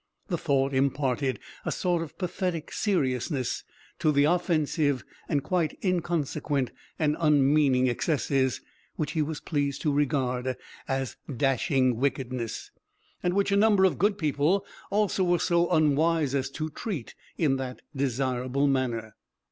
The thought imparted a sort of pathetic seriousness to the offensive and quite inconsequent and unmeaning excesses, which he was pleased to regard as dashing wickedness, and which a number of good people also were so unwise as to treat in that desirable manner.